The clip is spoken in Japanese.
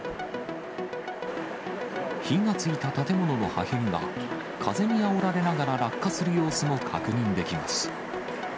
火がついた建物の破片が、風にあおられながら落下する様子も確認できます。